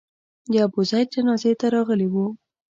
د ابوزید جنازې ته راغلي وو.